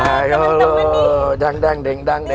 ayo dong dangdang dendang deh